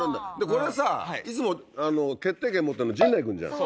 これさいつも決定権持ってんの陣内君じゃん。